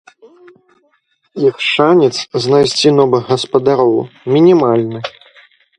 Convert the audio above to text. Іх шанец знайсці новых гаспадароў мінімальны.